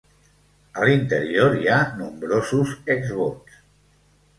A l'interior hi ha nombrosos exvots.